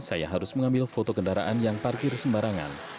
saya harus mengambil foto kendaraan yang